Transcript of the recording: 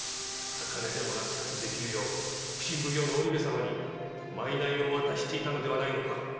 高値でも落札できるよう普請奉行の織部様に賂を渡していたのではないのか？